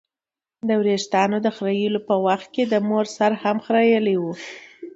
د ویښتانو خریلو په وخت یې د مور سر هم خرېیلی و.